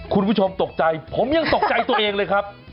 คุณผู้ชมตกใจผมยังตกใจตัวเองเลยครับ